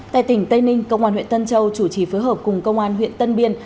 tại tỉnh tây ninh công an huyện tân châu chủ trì phối hợp cùng công an huyện tân biên